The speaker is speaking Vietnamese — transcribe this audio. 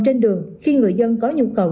trên đường khi người dân có nhu cầu